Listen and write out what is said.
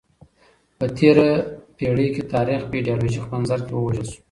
په تېره پېړۍ کې تاریخ په ایډیالوژیک منظر کې ووژل سو.